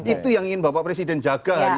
itu yang ingin bapak presiden jaga hari ini